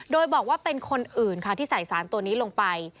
โดยบอกว่าเป็นคนอื่นค่ะที่ใส่สารตัวนี้ลงไป